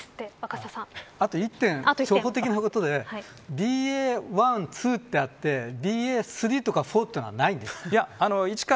あと一点、初歩的なことでＢＡ．１、２とあってＢＡ．３とかＢＡ．４というのはないんですか。